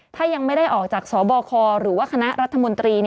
ถ้ายังไม่ได้ออกจากสบคหรือว่าคณะรัฐมนตรี